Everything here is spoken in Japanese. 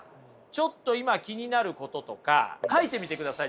ちょっと今気になることとか書いみてください